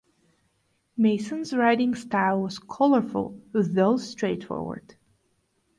Mason's writing style was colorful though straightforward.